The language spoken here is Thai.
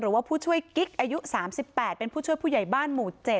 ผู้ช่วยกิ๊กอายุ๓๘เป็นผู้ช่วยผู้ใหญ่บ้านหมู่๗